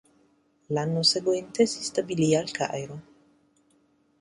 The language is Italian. L'anno seguente si stabilì al Cairo.